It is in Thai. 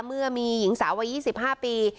เมื่อมีหญิงสาวียิ้วสิบห้าปี